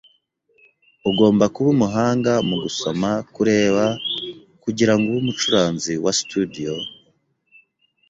Ugomba kuba umuhanga mu gusoma-kureba kugirango ube umucuranzi wa studio?